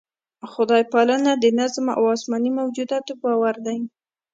خدای پالنه د نظم او اسماني موجوداتو باور دی.